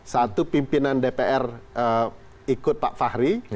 satu pimpinan dpr ikut pak fahri